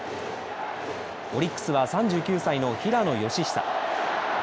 オリックスは３９歳の平野佳寿。